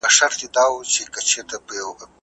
ده چي ول باران به وورېږي باره کور ته راغی